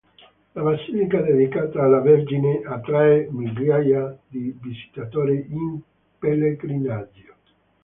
La basilica dedicata alla Vergine attrae migliaia di visitatori in pellegrinaggio.